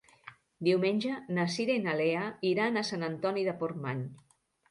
Diumenge na Cira i na Lea iran a Sant Antoni de Portmany.